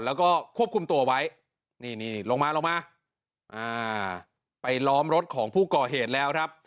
แล้วก็ควบคุมตัวไว้นี่นี่ลงมาลงมาไปล้อมรถของผู้ก่อเหตุแล้วครับ